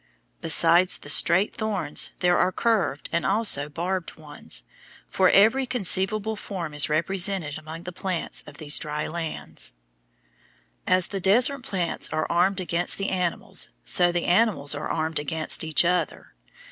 Besides the straight thorns there are curved and also barbed ones, for every conceivable form is represented among the plants of these dry lands. As the desert plants are armed against the animals, so the animals are armed against each other.